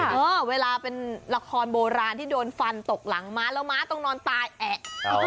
เออเวลาเป็นละครโบราณที่โดนฟันตกหลังม้าแล้วม้าต้องนอนตายแอะ